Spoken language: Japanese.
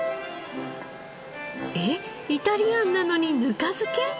えっイタリアンなのにぬか漬け？